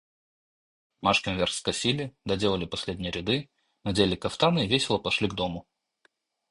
Машкин Верх скосили, доделали последние ряды, надели кафтаны и весело пошли к дому.